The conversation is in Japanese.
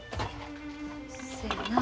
そやなあ。